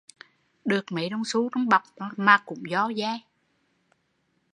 Được mấy đồng xu trong bọc mà cũng do de